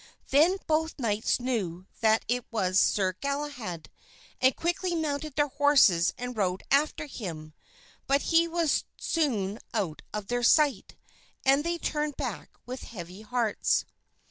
Then both knights knew that it was Sir Galahad, and quickly mounted their horses and rode after him, but he was soon out of their sight, and they turned back with heavy hearts.